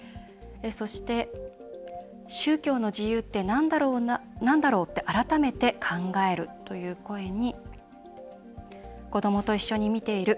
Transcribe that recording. そして「宗教の自由ってなんだろうって改めて考える」という声に「子どもと一緒に見ている。